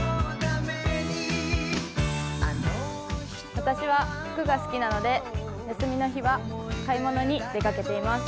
私は服が好きなので、休みの日は買い物に出かけています。